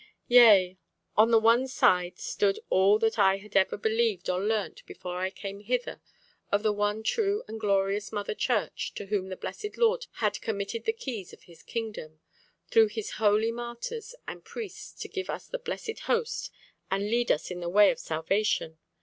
"Yea. On the one side stood all that I had ever believed or learnt before I came hither of the one true and glorious Mother Church to whom the Blessed Lord had committed the keys of His kingdom, through His holy martyrs and priests to give us the blessed host and lead us in the way of salvation.